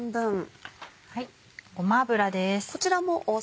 ごま油です。